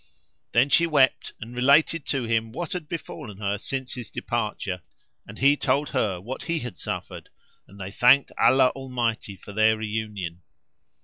Then she wept and related to him what had befallen her since his departure, and he told her what he had suffered, and they thanked Allah Almighty for their reunion.